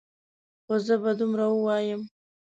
خو زه به دومره ووایم.